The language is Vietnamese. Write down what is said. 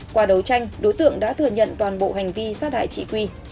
qua đấu tranh đối tượng đã thừa nhận toàn bộ hành vi xác đại chị quy